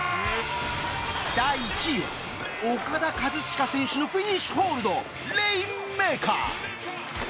第１位はオカダ・カズチカ選手のフィニッシュホールドレインメーカー